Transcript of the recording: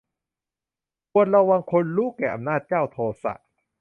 ควรระวังคนลุแก่อำนาจ เจ้าโทสะ